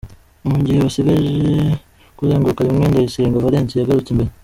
: Mu gihe basigaje kuzenguruka rimwe, Ndayisenga Valens yagarutse imbere.